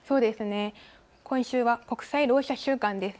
今週は国際ろう者週間です。